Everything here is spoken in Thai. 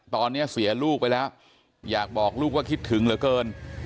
ตอนนี้เสียลูกไปแล้วอยากบอกลูกว่าคิดถึงเหลือเกิน